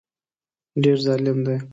ډېر ظالم دی.